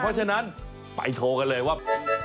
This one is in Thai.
เพราะฉะนั้นไปโชว์กันเลยว่า